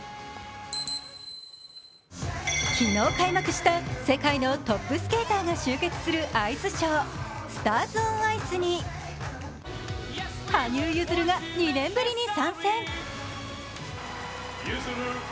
昨日開幕した世界のトップスケーターが集結するアイスショー「スターズ・オン・アイス」に羽生結弦が２年ぶりに参戦。